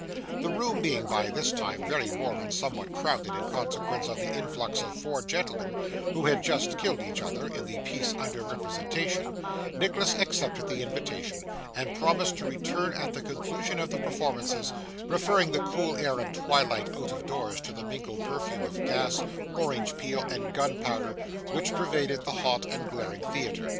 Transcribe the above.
The room being by this time very warm and somewhat crowded, in consequence of the influx of four gentlemen, who had just killed each other in the piece under representation, Nicholas accepted the invitation, and promised to return at the conclusion of the performances; preferring the cool air and twilight out of doors to the mingled perfume of gas, orange peel, and gunpowder, which pervaded the hot and glaring theatre.